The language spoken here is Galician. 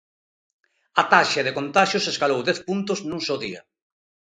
A taxa de contaxios escalou dez puntos nun só día.